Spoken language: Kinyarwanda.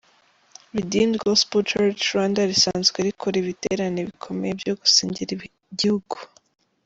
Redeemed Gospel Church Rwanda risanzwe rikora ibiterane bikomeye byo gusengera igihugu.